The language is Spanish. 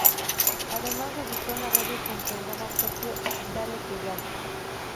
Además debutó en la radio con programa propio "¡Dale que Vale!